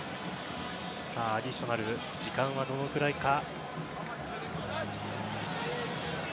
アディショナル時間はどのくらいか。